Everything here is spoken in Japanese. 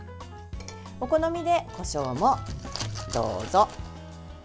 お好みで、こしょうもどうぞ。